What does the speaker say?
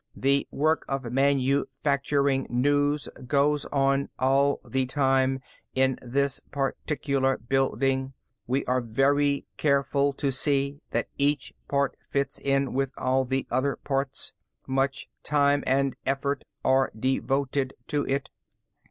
The work of manufacturing news goes on all the time in this particular building. We are very careful to see that each part fits in with all the other parts. Much time and effort are devoted to it."